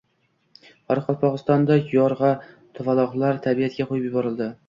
Qoraqalpog‘istonda yo‘rg‘a tuvaloqlar tabiatga qo‘yib yuborildi